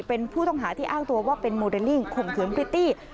เป็นผู้ต้องหาที่อ้างตัวว่าเป็นโมเดลลิ่งข่มขืนพริตตี้